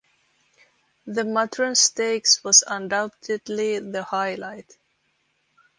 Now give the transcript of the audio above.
The Matron Stakes was undoubtedly the highlight.